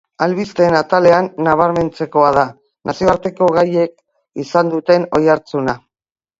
Albisteen atalean, nabarmentzekoa da nazioarteko gaiek izan duten oihartzuna.